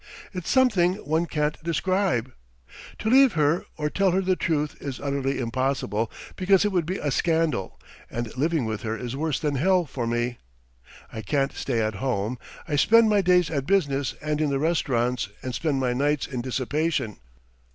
It's something one can't describe. To leave her or tell her the truth is utterly impossible because it would be a scandal, and living with her is worse than hell for me. I can't stay at home! I spend my days at business and in the restaurants and spend my nights in dissipation.